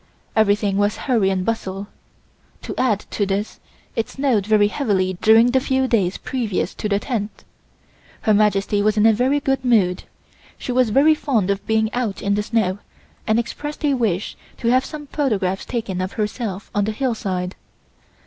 Everything was hurry and bustle. To add to this, it snowed very heavily during the few days previous to the tenth. Her Majesty was in a very good mood. She was very fond of being out in the snow and expressed a wish to have some photographs taken of herself on the hillside.